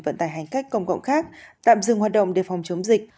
vận tài hành cách công cộng khác tạm dừng hoạt động để phòng chống dịch